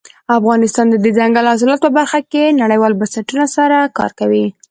افغانستان د دځنګل حاصلات په برخه کې نړیوالو بنسټونو سره کار کوي.